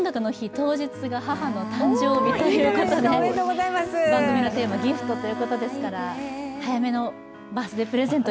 当日が母の誕生日ということで番組のテーマギフトということですから早めのバースデープレゼント